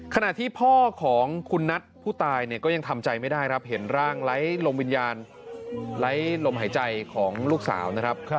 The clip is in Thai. ขณะที่พ่อของคุณนัทผู้ตายเนี่ยก็ยังทำใจไม่ได้ครับเห็นร่างไร้ลมวิญญาณไร้ลมหายใจของลูกสาวนะครับ